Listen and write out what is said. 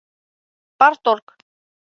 Парторг...